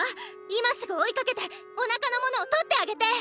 今すぐ追いかけてお腹のものを取ってあげて！